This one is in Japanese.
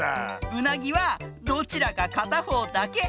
うなぎはどちらかかたほうだけ！